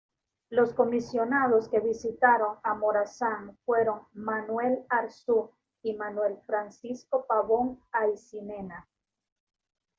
Los comisionados que visitaron a Morazán fueron Manuel Arzú y Manuel Francisco Pavón Aycinena.